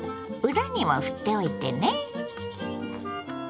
裏にもふっておいてね。